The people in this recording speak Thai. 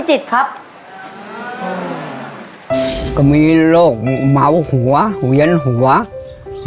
ติดข้าวเอาน้ำไปด้วย